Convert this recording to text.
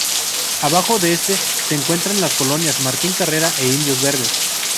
Abajo de este se encuentran las colonias Martín Carrera e Indios Verdes.